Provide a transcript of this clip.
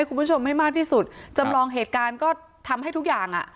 คุณผู้ชมให้มากที่สุดจำลองเหตุการณ์ก็ทำให้ทุกอย่างอ่ะ